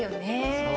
そう。